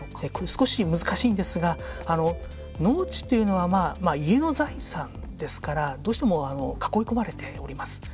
少し難しいんですが農地というのは家の財産ですからどうしても囲い込まれております。